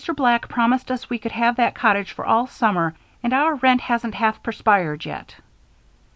Black promised us we could have that cottage for all summer and our rent hasn't half perspired yet."